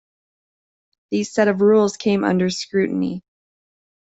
These sets of rules came under scrutiny.